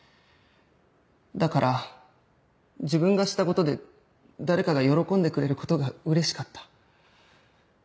だから自分がしたことで誰かが喜んでくれることがうれしかった。